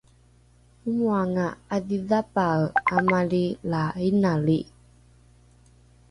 omoanga ’adhidhapae amali la inali